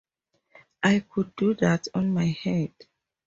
I could do that on my head.